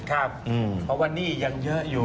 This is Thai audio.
เพราะว่าหนี้ยังเยอะอยู่